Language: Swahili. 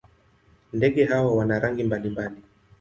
Ndege hawa wana rangi mbalimbali.